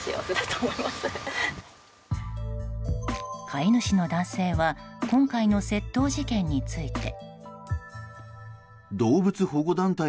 飼い主の男性は今回の窃盗事件について。